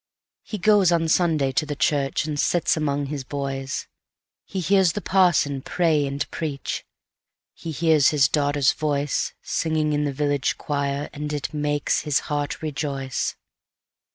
He goes on Sunday to the church, And sits among his boys; He hears the parson pray and preach, He hears his daughter's voice, Singing in the village choir, And it makes his heart rejoice.